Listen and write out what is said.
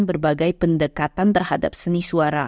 berbagai pendekatan terhadap seni suara